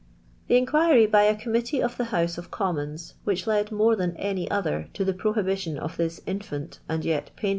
I The inquiry by a Ganmittee ol the House of | Commons, which led m »re than any other to the \ prohibition of this infant and y t paii.